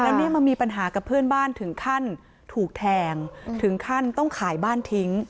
แล้วเนี่ยมันมีปัญหากับเพื่อนบ้านถึงขั้นถูกแทงถึงขั้นต้องขายบ้านทิ้ง